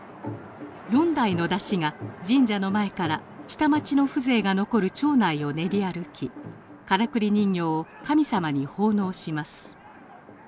４台の山車が神社の前から下町の風情が残る町内を練り歩きからくり人形を神様に奉納します。